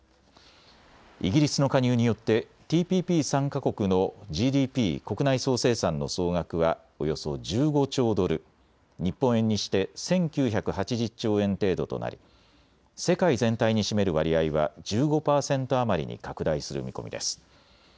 イギリスの加入によってＴＰＰ参加国のＧＤＰ・国内総生産の総額はおよそ１５兆ドル、日本円にして１９８０兆円程度となり世界全体に占める割合は１５％余りに拡大する見込みです。